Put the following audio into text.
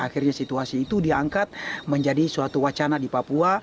akhirnya situasi itu diangkat menjadi suatu wacana di papua